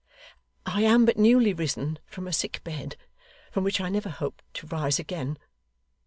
I am but newly risen from a sick bed, from which I never hoped to rise again.